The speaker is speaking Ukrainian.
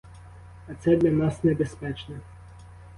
А це для нас небезпечне.